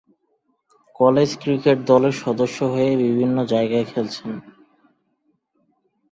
কলেজে ক্রিকেট দলের সদস্য হয়ে বিভিন্ন জায়গায় খেলেছেন।